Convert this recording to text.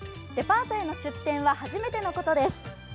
デパートへの出店は初めてのことです。